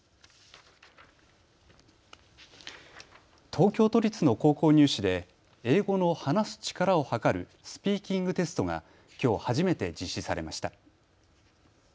東京都立の高校入試で英語の話す力をはかるスピーキングテストがきょう初めて実施されました。